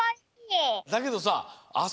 だけどさあ